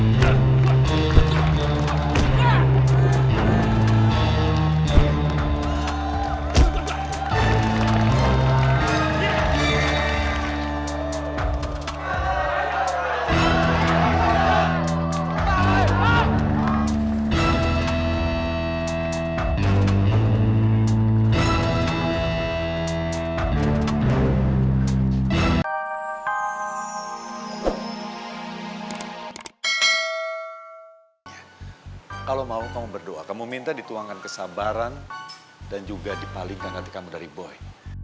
hai kalau mau kamu berdoa kamu minta dituangkan kesabaran dan juga dipalingkan kamu dari boy